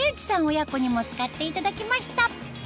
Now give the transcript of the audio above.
親子にも使っていただきました